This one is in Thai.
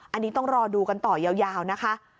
อันนี้ต้องรอดูกันต่อยาวนะคะ